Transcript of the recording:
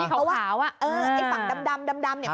เผาเฝ้ามันแบบฝั่งดำ